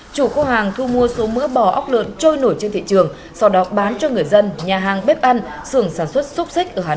chủ kho hàng thu mua số mỡ bò ốc lợn trôi nổi trên thị trường sau đó bán cho người dân nhà hàng bếp ăn xưởng sản xuất xúc xích ở hà nội và một số tỉnh lên cận